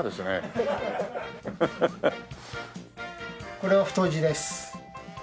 これは太字です。